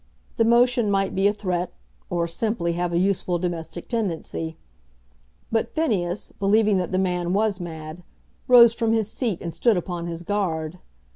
The motion might be a threat, or simply have a useful domestic tendency. But Phineas, believing that the man was mad, rose from his seat and stood upon his guard.